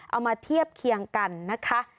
เอามาเทียบเคียงกันนะคะ